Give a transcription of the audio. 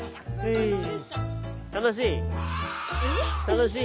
楽しい？